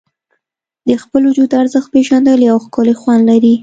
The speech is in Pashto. د خپل وجود ارزښت پېژندل یو ښکلی خوند لري.